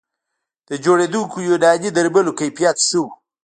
د جوړېدونکو یوناني درملو کیفیت ښه و